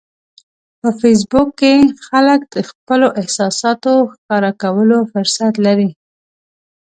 په فېسبوک کې خلک د خپلو احساساتو ښکاره کولو فرصت لري